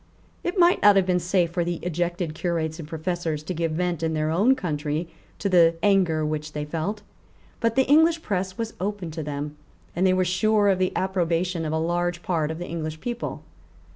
It might not have been safe for the ejected Curates and Professors to give vent in their own country to the anger which they felt. But the English press was open to them; and they were sure of the approbation of a large part of the English people.